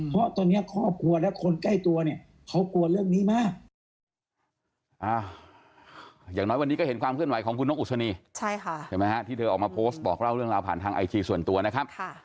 เพราะตอนนี้ครอบครัวและคนใกล้ตัวเนี่ยเขากลัวเรื่องนี้มาก